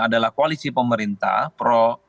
adalah koalisi pemerintah pro